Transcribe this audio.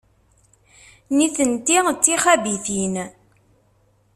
Nitenti d tixabitin.